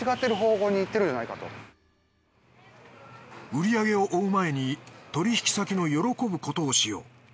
売り上げを追う前に取引先の喜ぶことをしよう。